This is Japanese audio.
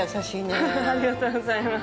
ありがとうございます。